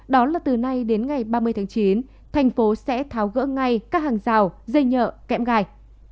đó là từ nay đến ngày ba mươi tháng chín thành phố sẽ tháo gỡ ngay các hàng rào dây nhựa kẽm gài